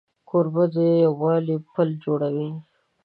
کوربه د یووالي پل جوړوي.